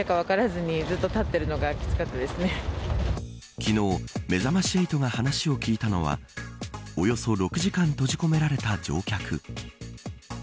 昨日めざまし８が話を聞いたのはおよそ６時間閉じ込められた乗客。